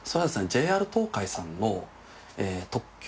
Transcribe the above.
ＪＲ東海さんの特急